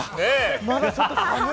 まだちょっと寒い。